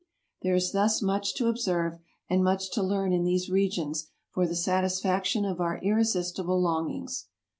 There is thus much to observe and much to learn in these regions for the satisfaction of our irresistible longings.